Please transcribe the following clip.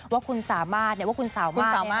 ว่าคุณสามารถว่าคุณสามารถ